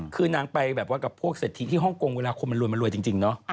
คือนางไปแบบว่ากับพวกเศรษฐีที่ฮ่องกงเวลาคนมันรวยมันรวยจริงเนาะ